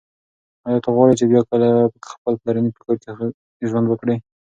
ایا ته غواړي چې بیا کله په خپل پلرني کور کې ژوند وکړې؟